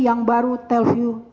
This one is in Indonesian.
yang baru telview